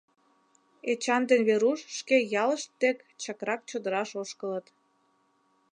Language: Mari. Эчан ден Веруш шке ялышт дек чакрак чодыраш ошкылыт.